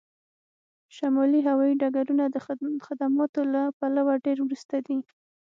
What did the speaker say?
شمالي هوایی ډګرونه د خدماتو له پلوه ډیر وروسته دي